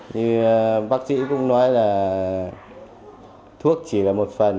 như bác sĩ cũng nói là thuốc chỉ là một phần